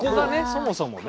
そもそもね。